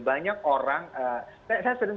banyak orang saya sering